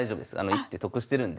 一手得してるんで。